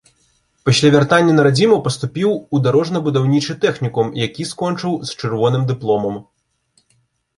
Пасля вяртання на радзіму, паступіў у дарожна-будаўнічы тэхнікум, які скончыў з чырвоным дыпломам.